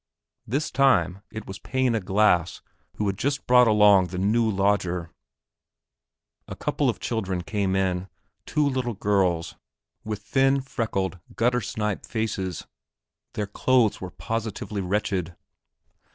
This time it was "Pane o' glass" that had just brought along the new lodger. A couple of the children came in two little girls, with thin, freckled, gutter snipe faces; their clothes were positively wretched.